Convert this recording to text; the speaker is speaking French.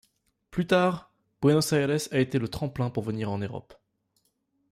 Plus tard, Buenos Aires a été le tremplin pour venir en Europe.